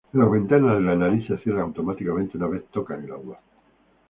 Las ventanas de la nariz se cierran automáticamente una vez tocan el agua.